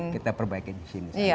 kita perbaiki di sini